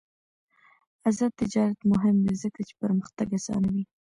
آزاد تجارت مهم دی ځکه چې پرمختګ اسانوي.